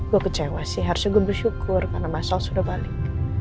gue kecewa sih harusnya gue bersyukur karena mas al sudah balik